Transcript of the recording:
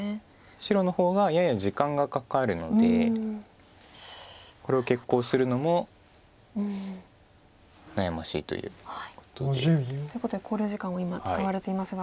白の方がやや時間がかかるのでこれを決行するのも悩ましいということで。ということで考慮時間を今使われていますが。